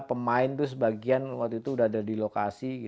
pemain itu sebagian waktu itu sudah ada di lokasi